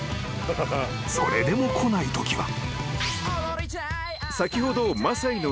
［それでも来ないときは］